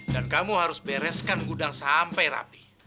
dan kamu harus bereskan gudang sampai rapi